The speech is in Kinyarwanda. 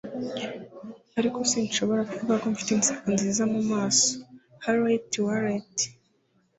ariko sinshobora kuvuga ko mfite inseko nziza mu maso - harriet walter